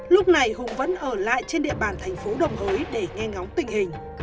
lúc này hùng vẫn ở lại trên địa bàn thành phố đồng hới để nghe ngóng tình hình